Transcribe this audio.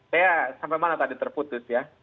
saya sampai malam tadi terputus ya